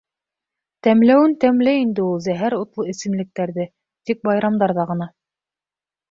Тәмләүен тәмләй ине ул зәһәр утлы эсемлектәрҙе, тик байрамдарҙа ғына.